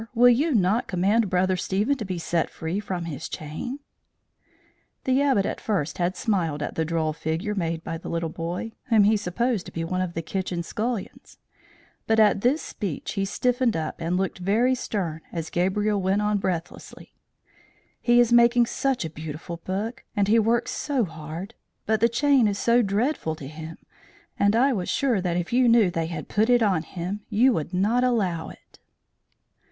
will you not command Brother Stephen to be set free from his chain?" The Abbot at first had smiled at the droll figure made by the little boy, whom he supposed to be one of the kitchen scullions, but at this speech he stiffened up and looked very stern as Gabriel went on breathlessly: "He is making such a beautiful book, and he works so hard; but the chain is so dreadful to him, and I was sure that if you knew they had put it on him, you would not allow it!"